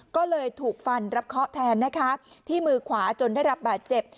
ก็เลยถูกฟันรับเคาะแทนนะคะที่มือขวาจนได้รับบาดเจ็บ